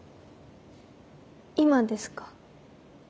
今ですか？